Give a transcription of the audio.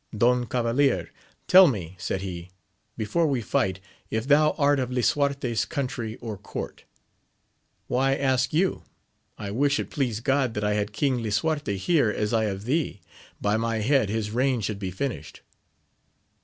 Don Cavalier, tell me, said he, before we fight, if thou art of Lisuarte's country or court ]— Why ask you? — I wish it pleased God, that I had King Lisuarte here as I have thee, by my head his reign should be finished.